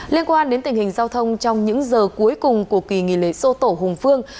liên quan đến tình hình giao thông trong những giờ cuối cùng của kỳ nghỉ lễ sô tổ hùng phương